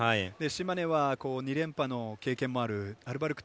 島根は２連覇の経験もあるアルバルク